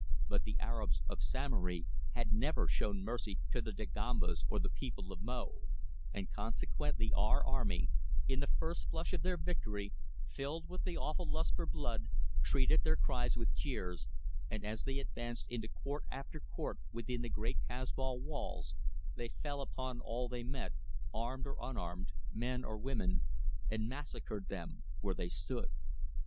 But the Arabs of Samory had never shown mercy to the Dagombas or the people of Mo, and consequently our army, in the first flush of their victory, filled with the awful lust for blood, treated their cries with jeers, and as they advanced into court after court within the great Kasbah walls, they fell upon all they met, armed or unarmed, men or women, and massacred them where they stood.